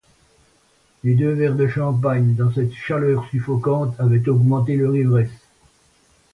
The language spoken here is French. Les deux verres de champagne, dans cette chaleur suffocante, avaient augmenté leur ivresse.